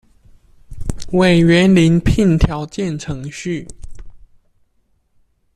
委員遴聘條件程序